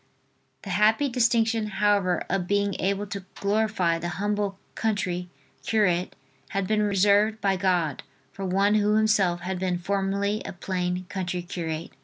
The happy distinction, however, of being able to glorify the humble country curate had been reserved by God for one who himself had been formerly a plain country curate.